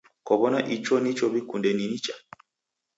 Kaw'ona icho nicho w'ikunde ni nicha.